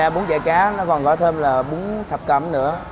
bún chả cá còn thêm bún thập cẩm nữa